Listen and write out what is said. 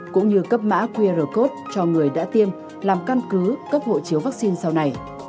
cũng như cấp mã qr code cho người đã tiêm làm căn cứ cấp hộ chiếu vaccine sau này